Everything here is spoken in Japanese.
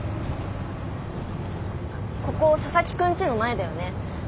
ここ佐々木くんちの前だよね。